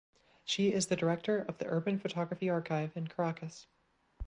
She is the director of the Urban Photography Archive in Caracas.